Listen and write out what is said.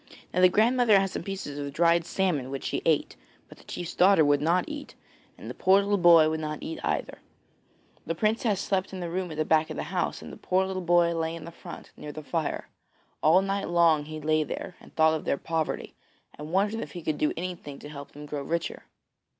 Now the grandmother had some pieces of dried salmon which she ate; but the chief's daughter would not eat, and the poor little boy would not eat either. The princess slept in a room at the back of the house and the poor little boy lay in the front, near the fire. All night long he lay there and thought of their poverty, and wondered if he could do anything to help them to grow richer.